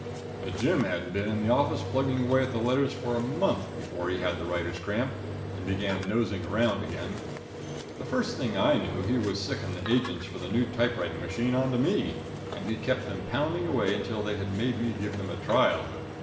But Jim hadn't been in the office plugging away at the letters for a month before he had the writer's cramp, and began nosing around again. The first thing I knew he was sicking the agents for the new typewriting machine on to me, and he kept them pounding away until they had made me give them a trial.